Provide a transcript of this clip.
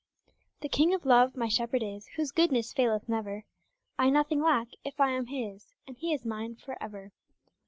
The King of Love my Shepherd is Whose goodness faileth never, I nothing lack if I am His And He is mine for ever.